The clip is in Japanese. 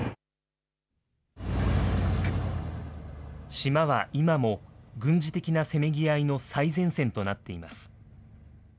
島は今も、軍事的なせめぎ合いの最前線となっています。